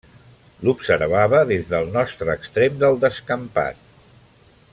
L’observava des del nostre extrem del descampat.